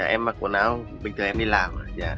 em mặc quần áo bình thường em đi làm